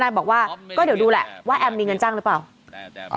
บอกว่าก็เดี๋ยวดูแหละว่าแอมมีเงินจ้างหรือเปล่า